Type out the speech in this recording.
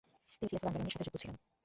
তিনি খিলাফত আন্দোলনের সাথে যুক্ত হন।